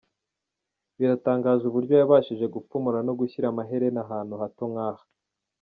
Biratangaje uburyo yabashije gupfumura no gushyira amaherena ahantu hato nk'aha.